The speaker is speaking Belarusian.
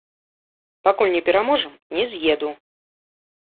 Пакуль не пераможам, не з'еду.